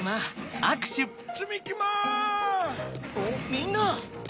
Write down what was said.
みんな！